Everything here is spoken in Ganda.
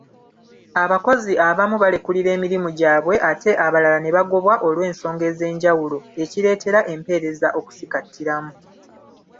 Abakozi abamu balekulira emirimu gyabwe ate abalala ne bagobwa olwensonga ez’enjawulo, ekireetera empeereza okusikattiramu.